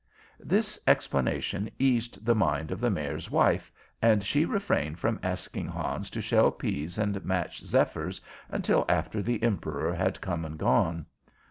This explanation eased the mind of the Mayor's wife, and she refrained from asking Hans to shell pease and match zephyrs until after the Emperor had come and gone.